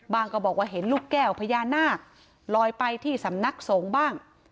ก็บอกว่าเห็นลูกแก้วพญานาคลอยไปที่สำนักสงฆ์บ้าง